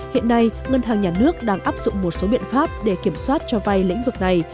hiện nay ngân hàng nhà nước đang áp dụng một số biện pháp để kiểm soát cho vay lĩnh vực này